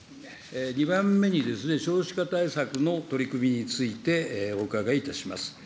２番目にですね、少子化対策の取り組みについて、お伺いいたします。